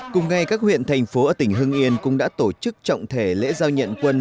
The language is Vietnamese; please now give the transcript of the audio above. cùng ngày các huyện thành phố ở tỉnh hưng yên cũng đã tổ chức trọng thể lễ giao nhận quân